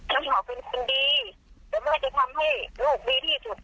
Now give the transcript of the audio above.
แล้วเขาเป็นคนดีแต่แม่จะทำให้ลูกดีที่สุด